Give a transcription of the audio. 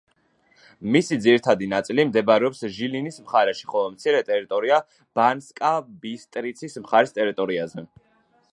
მისი ძირითადი ნაწილი მდებარეობს ჟილინის მხარეში, ხოლო მცირე ტერიტორია ბანსკა-ბისტრიცის მხარის ტერიტორიაზე.